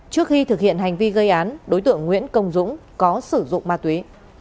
trước khi thực hiện hành vi gây án đối tượng nguyễn công dũng có sử dụng ma túy